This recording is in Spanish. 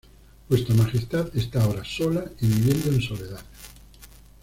Vuestra Majestad está ahora sola y viviendo en soledad.